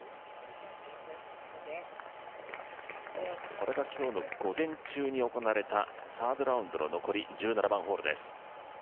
これが今日の午前中に行われたサードラウンドの残り、１７番ホールです。